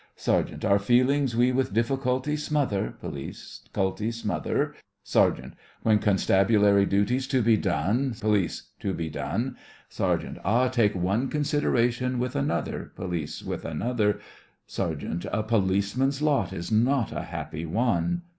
SERGEANT: Our feelings we with difficulty smother POLICE: 'Culty smother SERGEANT: When constabulary duty's to be done. POLICE: To be done. SERGEANT: Ah, take one consideration with another, POLICE: With another, SERGEANT: A policeman's lot is not a happy one.